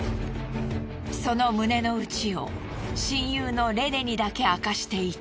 その胸の内を親友のレネにだけ明かしていた。